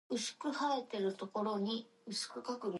The seat of the Earls of Callendar was Callendar House in Falkirk.